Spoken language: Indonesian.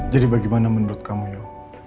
jadi bagaimana menurut kamu yu